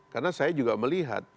karena saya juga melihat